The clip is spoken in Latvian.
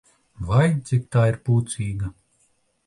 Vai, cik tā ir pūcīga!